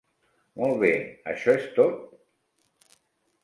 Molt bé, això és tot?